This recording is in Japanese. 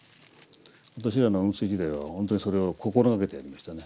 私らの雲水時代は本当にそれを心掛けてやりましたね。